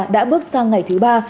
đã bước sang ngày thứ ba